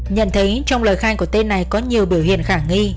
nhận thấy trong lời khai của tên này có nhiều biểu hiện khả nghi